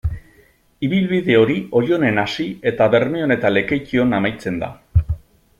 Ibilbide hori Oionen hasi eta Bermeon eta Lekeition amaitzen da.